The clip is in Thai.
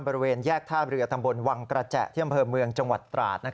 บริเวณแยกท่าเรือตำบลวังกระแจที่อำเภอเมืองจังหวัดตราด